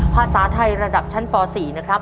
ภาษาไทยระดับชั้นป๔นะครับ